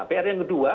pr yang kedua